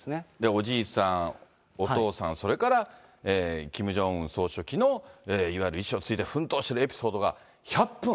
おじいさん、お父さん、それからキム・ジョンウン総書記のいわゆる遺志を継いで奮闘するエピソードが１００分。